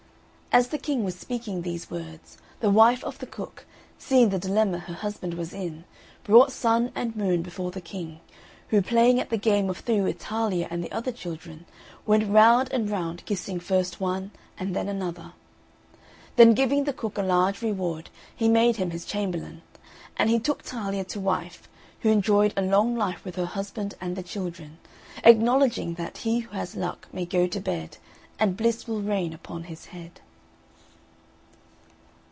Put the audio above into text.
As the King was speaking these words, the wife of the cook, seeing the dilemma her husband was in, brought Sun and Moon before the King, who, playing at the game of three with Talia and the other children, went round and round kissing first one and then another. Then giving the cook a large reward, he made him his chamberlain; and he took Talia to wife, who enjoyed a long life with her husband and the children, acknowledging that "He who has luck may go to bed, And bliss will rain upon his head."